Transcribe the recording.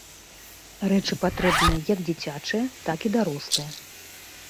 Рэчы патрэбныя як дзіцячыя, так і дарослыя.